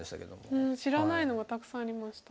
うん知らないのがたくさんありました。